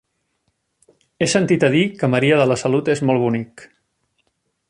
He sentit a dir que Maria de la Salut és molt bonic.